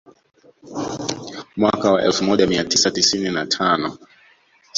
Mwaka wa elfu moja mia tisa tisini na tano